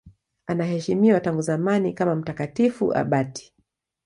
Anaheshimiwa tangu zamani kama mtakatifu abati.